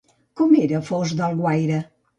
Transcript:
Com era Fost d'Alguaire?